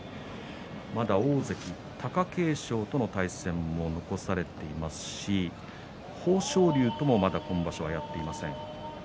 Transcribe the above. まだ大関貴景勝との対戦も残されていますし豊昇龍ともまだ今場所はやっていません。